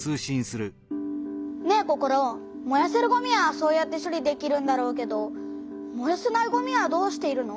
ねえココロ。もやせるごみはそうやって処理できるんだろうけどもやせないごみはどうしているの？